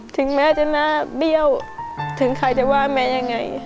ถึงแม้จะหน้าเบี้ยวถึงใครจะว่าแม่ยังไง